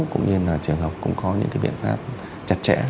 cũng như là trường học cũng có những cái biện pháp chặt chẽ